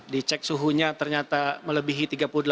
dicek suhunya ternyata melebihi tiga puluh delapan